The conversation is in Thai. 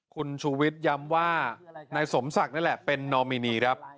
คุณชูวิทย้ำว่านายสมศักดิ์นี่แหละเป็นนอมินีครับ